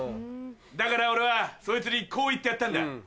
だから俺はそいつにこう言ってやったんだ。